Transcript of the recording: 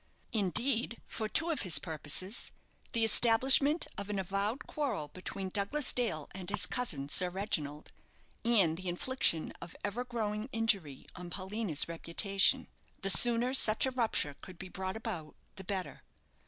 Indeed, for two of his purposes the establishment of an avowed quarrel between Douglas Dale and his cousin, Sir Reginald, and the infliction of ever growing injury on Paulina's reputation, the sooner such a rupture could be brought about the better.